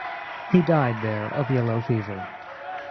He died there of yellow fever.